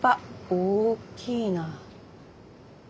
大きいな。